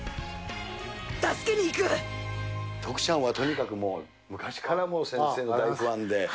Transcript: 徳ちゃんはとにかく、昔からもう先生の大ファンで。